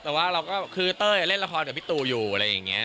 แต่ว่าเราก็คือเต้ยเล่นละครกับพี่ตู่อยู่อะไรอย่างนี้